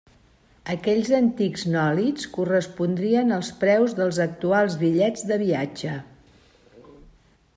Aquells antics nòlits correspondrien als preus dels actuals bitllets de viatge.